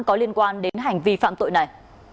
có liên quan đến hành vi phạm tội này